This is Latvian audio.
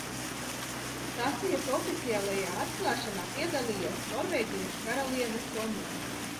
Stacijas oficiālajā atklāšanā piedalījās Norvēģijas karaliene Sonja.